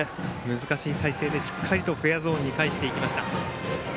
難しい体勢でしっかりとフェアゾーンにかえしていきました。